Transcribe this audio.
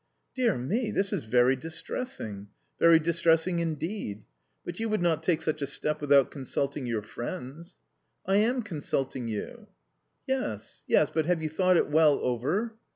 "Dear me. This is very distressing. Very distressing indeed. But you would not take such a step without consulting your friends?" "I am consulting you." "Yes, yes. But have you thought it well over?"